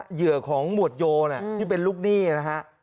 เหยื่อของหมวดโยที่เป็นลูกหนี้นะฮะ